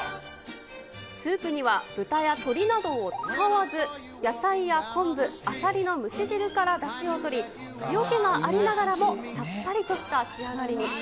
スープには豚や鶏などを使わず、野菜や昆布、アサリの蒸し汁からだしをとり、塩気がありながらもさっぱりとした仕上がりに。